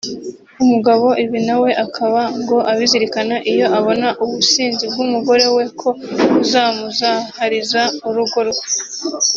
umugabo ibi nawe akaba ngo abizirikana iyo abona ubusinzi bw’umugore we ko buzamuzahariza urugo rwe